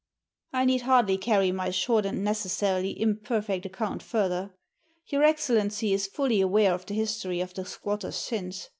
I need hardly carry my short and necessarily imperfect account further. Your Excellency is fully aware of the history of the squatters since.